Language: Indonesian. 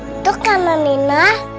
untuk anak nina